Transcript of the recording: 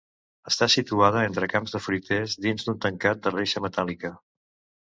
Està situada entre camps de fruiters dins d’un tancat de reixa metàl·lica.